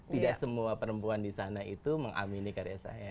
tidak semua perempuan di sana itu mengamini karya saya